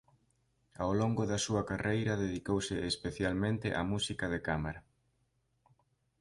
Ao longo da súa carreira dedicouse especialmente á Música de Cámara.